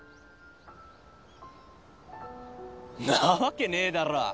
んなわけねえだろ！